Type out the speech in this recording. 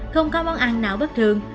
không có món ăn nào bất thường